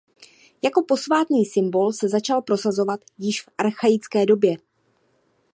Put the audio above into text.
Jako posvátný symbol se začal prosazovat již v Archaické době.